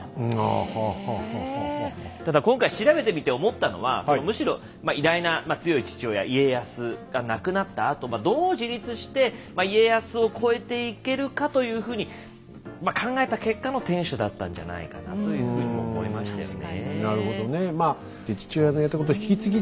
ただ今回調べてみて思ったのはむしろ偉大な強い父親家康が亡くなったあとどう自立して家康を超えていけるかというふうに考えた結果の天守だったんじゃないかなというふうに思いましたよね。